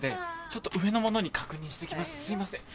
ちょっと上の者に確認して来ますすいません。